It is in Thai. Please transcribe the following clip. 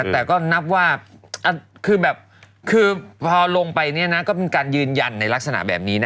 แต่ก็นับว่าคือแบบคือพอลงไปเนี่ยนะก็เป็นการยืนยันในลักษณะแบบนี้นะ